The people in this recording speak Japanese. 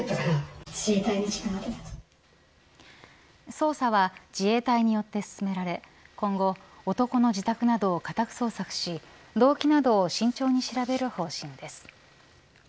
捜査は自衛隊によって進められ今後、男の自宅などを家宅捜索し動機などを慎重に調べる方針です。